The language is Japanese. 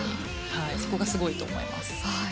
そこがすごいと思います。